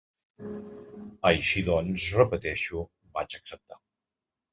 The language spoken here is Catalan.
Així doncs, repeteixo, vaig acceptar.